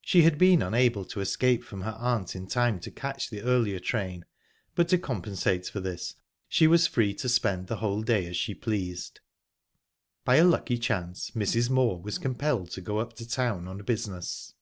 She had been unable to escape from her aunt in time to catch the earlier train, but to compensate for this she was free to spend the whole day as she pleased. By a lucky chance, Mrs. Moor was compelled to go up to town on business.